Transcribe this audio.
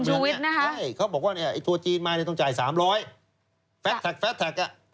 ใช่เขาบอกว่าเนี่ยไอ้ทัวร์จีนมาเนี่ยต้องจ่ายสามร้อยแฟสแท็กแฟสแท็กอ่ะ